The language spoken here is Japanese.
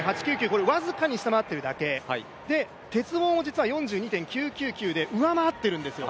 これは僅かに下回っているだけ、鉄棒も４２．２２９で上回っているんですよ。